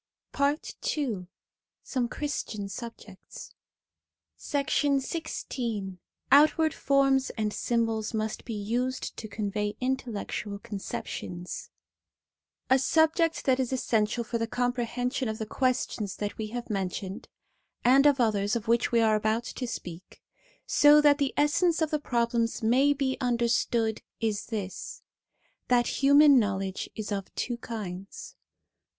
PAKT II SOME CHRISTIAN SUBJECTS XVI OUTWARD FORMS AND SYMBOLS MUST BE USED TO CONVEY INTELLECTUAL CON CEPTIONS A SUBJECT that is essential 1 for the comprehension of the questions that we have mentioned, and of others of which we are about to speak, so that the essence of the problems may be understood, is this: that human knowledge is of two kinds.